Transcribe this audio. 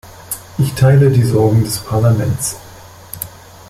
Ich teile die Sorgen des Parlaments.